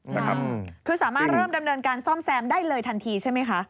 นะครับคือสามารถเริ่มดำเนินการซ่อมแซมได้เลยทันทีใช่ไหมคะ